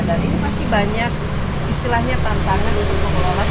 dan ini pasti banyak istilahnya tantangan untuk pengelola kepulauan seperti ini